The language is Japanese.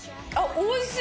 おいしい！